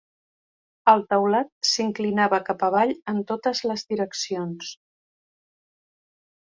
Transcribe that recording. El teulat s'inclinava cap avall en totes les direccions.